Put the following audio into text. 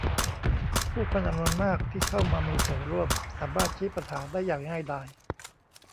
ผู้คนจำนวนมากที่เข้ามามีส่วนร่วมสามารถชี้ปัญหาได้อย่างง่ายดาย